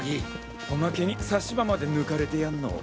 おまけに差し歯まで抜かれてやんの。